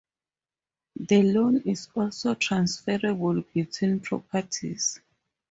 The loan is also transferable between properties.